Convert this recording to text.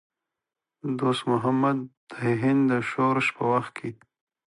دوست محمد د هند د شورش په وخت کې.